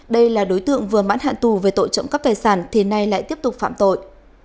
đây là đối tượng vừa mãn hạn tù về tội trộm cắp tài sản thì nay lại tiếp tục phạm tội